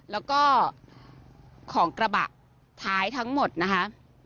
แล้วก็ของกระบะท้ายทั้งหมดนะคะ